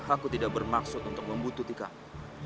aku tidak bermaksud untuk membutuhkan